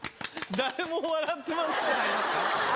誰も笑ってません。